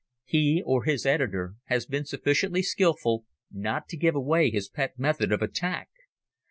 He, or his editor, has been sufficiently skilful not to give away his pet method of attack.